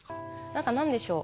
何か何でしょう